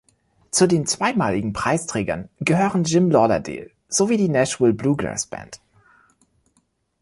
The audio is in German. Zu den zweimaligen Preisträgern gehören Jim Lauderdale sowie die Nashville Bluegrass Band.